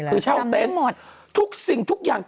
คือเช่าเต็นต์หมดทุกสิ่งทุกอย่าง